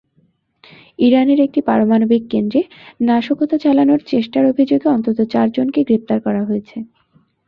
ইরানের একটি পারমাণবিক কেন্দ্রে নাশকতা চালানোর চেষ্টার অভিযোগে অন্তত চারজনকে গ্রেপ্তার করা হয়েছে।